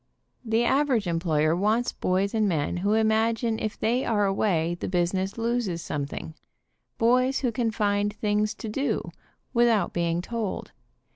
The average employer wants boys and men who imagine if they are away the business loses something, boys who can find things to do without being told.